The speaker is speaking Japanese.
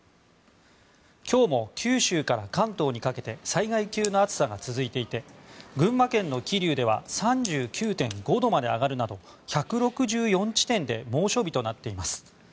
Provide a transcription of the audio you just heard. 今日も九州から関東にかけて災害級の暑さが続いていて群馬県の桐生では３９．５度まで上がるなど１６４地点で猛暑日となっています。